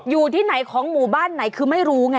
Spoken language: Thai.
อยู่ที่ไหนของหมู่บ้านไหนคือไม่รู้ไง